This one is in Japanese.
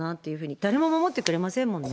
誰も守ってくれませんもんね。